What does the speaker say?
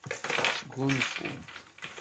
Sgunfu.